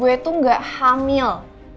gue tuh gak hamil